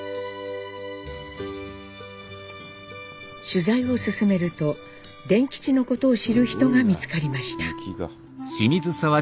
取材を進めると傅吉のことを知る人が見つかりました。